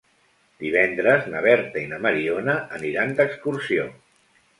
Divendres na Berta i na Mariona aniran d'excursió.